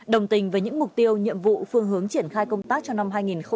đồng tình với những mục tiêu nhiệm vụ phương hướng triển khai công tác cho năm hai nghìn hai mươi